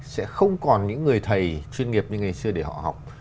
sẽ không còn những người thầy chuyên nghiệp như ngày xưa để họ học